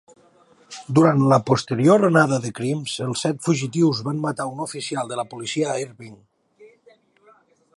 Durant la posterior onada de crims, els set fugitius van matar un oficial de la policia a Irving.